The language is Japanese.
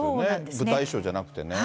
舞台衣装じゃなくてね。